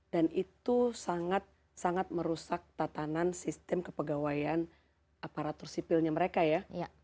dan itu sangat sangat merusak tatanan sistem kepegawaian aparatur sipilnya mereka ya